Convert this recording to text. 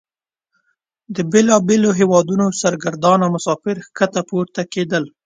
د بیلابیلو هیوادونو سرګردانه مسافر ښکته پورته کیدل.